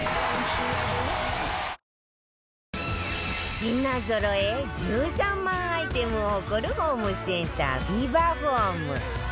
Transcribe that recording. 品ぞろえ１３万アイテムを誇るホームセンタービバホーム